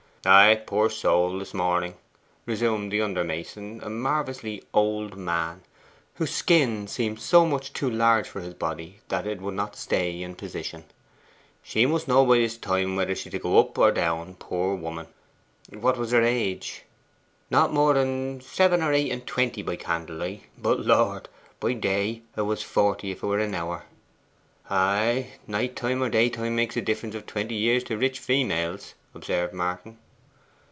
'Ay, poor soul, this morning,' resumed the under mason, a marvellously old man, whose skin seemed so much too large for his body that it would not stay in position. 'She must know by this time whether she's to go up or down, poor woman.' 'What was her age?' 'Not more than seven or eight and twenty by candlelight. But, Lord! by day 'a was forty if 'a were an hour.' 'Ay, night time or day time makes a difference of twenty years to rich feymels,' observed Martin.